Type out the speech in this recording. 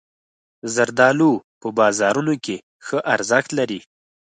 زردالو په بازارونو کې ښه ارزښت لري.